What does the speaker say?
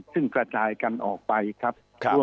ซึ่งกระจายกันออกไปครับ